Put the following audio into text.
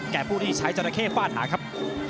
แก่ผู้ที่ใช้เจ้าระเข้ฝ่าถาครับ